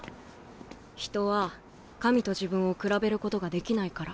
人は神と自分を比べることができないから。